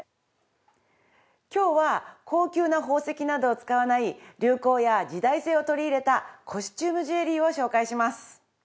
今日は高級な宝石などを使わない流行や時代性を取り入れたコスチュームジュエリーを紹介します。